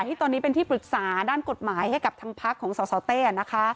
ที่ตอนนี้เป็นที่ปรึกษาด้านกฎหมายให้กับทางพักของสสเต้นะคะ